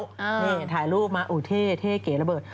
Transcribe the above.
นี่ถ่ายรูปมาอุเท่เท่เก๋ระเบิด